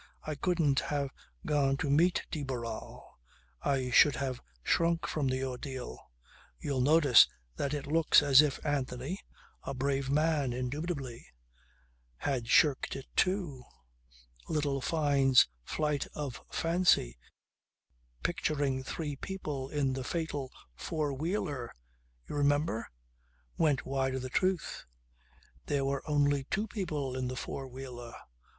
I couldn't have gone to meet de Barral. I should have shrunk from the ordeal. You'll notice that it looks as if Anthony (a brave man indubitably) had shirked it too. Little Fyne's flight of fancy picturing three people in the fatal four wheeler you remember? went wide of the truth. There were only two people in the four wheeler.